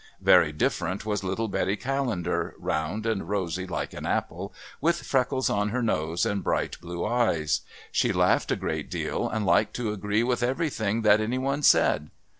Very different was little Betty Callender, round and rosy like an apple, with freckles on her nose and bright blue eyes. She laughed a great deal and liked to agree with everything that any one said.